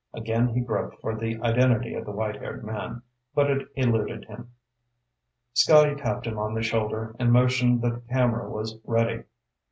Again he groped for the identity of the white haired man, but it eluded him. Scotty tapped him on the shoulder and motioned that the camera was ready.